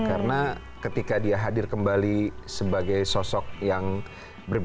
karena ketika dia hadir kembali sebagai sosok yang berbeda